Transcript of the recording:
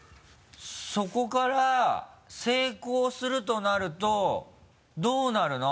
そこから成功するとなるとどうなるの？